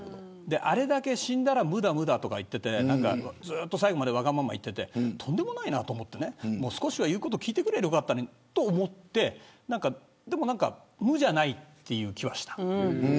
あれだけ死んだら無だと言っていて最後までわがまま言っていてとんでもないなと思って少しは言うこと聞いてくれればよかったのにと思ってでも無じゃないという気がした。